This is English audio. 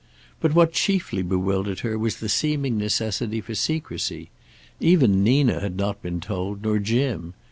But what chiefly bewildered her was the seeming necessity for secrecy. Even Nina had not been told, nor Jim.